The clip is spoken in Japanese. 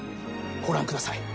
ご覧ください。